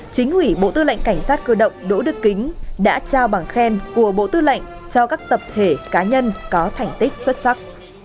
chính ủy bộ tư lệnh cảnh sát cơ động đỗ đức kính đã trao bằng khen của bộ tư lệnh cho các tập thể cá nhân có thành tích xuất sắc